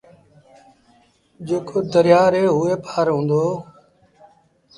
جيڪو دريآ ري هوئي پآر هُݩدو۔